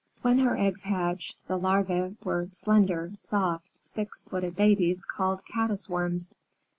When her eggs hatched, the larvæ were slender, soft, six footed babies called Caddis Worms.